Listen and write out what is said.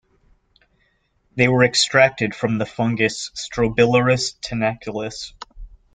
They were extracted from the fungus "Strobilurus tenacellus".